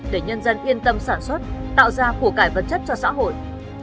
để nhân dân yên tâm sản xuất tạo ra khổ cải vật chất cho xã hội